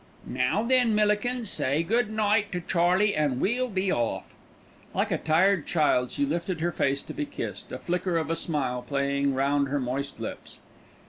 "Now then, Millikins, say good night to Charlie an' we'll be off." Like a tired child she lifted her face to be kissed, a flicker of a smile playing round her moist lips.